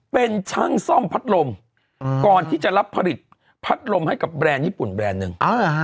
เป็นช่างซ่อมพัดลมก่อนที่จะรับผลิตพัดลมให้กับแบรนด์ญี่ปุ่นแบรนด์หนึ่ง